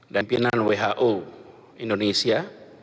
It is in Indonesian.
dan pimpinan who indonesia